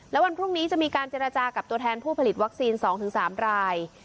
แล้ววันพรุ่งนี้จะมีการเจรจากับตัวแทนผู้ผลิตวัคซีน๒๓ราย